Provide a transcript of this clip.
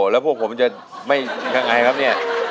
แล้วพวกผมจะไม่ยังไงครับเนี่ย